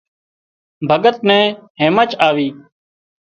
ڀڳت نين هيمچ آوي